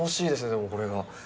でもこれが。